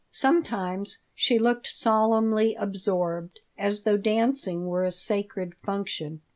Sometimes she looked solemnly absorbed, as though dancing were a sacred function.